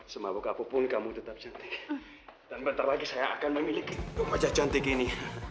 semoga apapun kamu tetap cantik dan bentar lagi saya akan memiliki wajah cantik ini